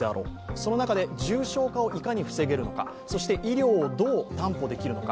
その中で重症化をいかに防げるのか、そして医療をどう担保できるのか。